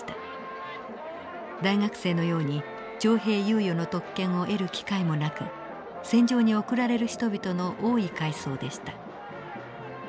大学生のように徴兵猶予の特権を得る機会もなく戦場に送られる人々の多い階層でした。